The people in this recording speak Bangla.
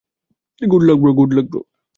Good luck bro!